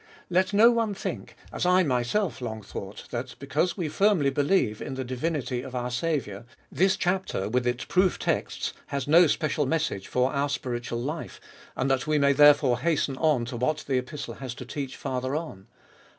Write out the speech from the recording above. Let no one think, as I myself long thought, that, because we firmly believe in the divinity of our Saviour, this chapter, with its proof texts, has no special message for our spiritual life, and that we may therefore hasten on to what the Epistle has to teach farther on.